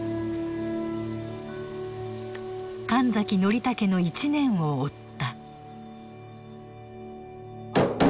神崎宣武の一年を追った。